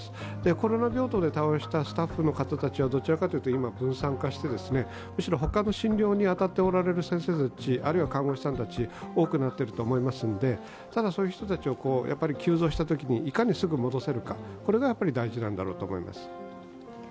コロナ病棟で対応したスタッフの方たちはどちらかというと今、分散化して、むしろ他の診療に当たっておられる先生たち、あるいは看護師さんたち多くなってると思いますのでただ、そういう人たちを急増したときにいかにすぐ戻せるかが大事なんだろうと思います。